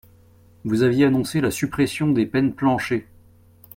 Vous aviez annoncé la suppression des peines plancher.